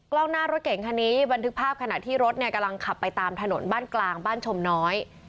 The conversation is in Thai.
กล้องหน้ารถเก่งคันนี้บันทึกภาพขณะที่รถเนี่ยกำลังขับไปตามถนนบ้านกลางบ้านชมน้อย